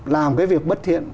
làm cái việc bất thiện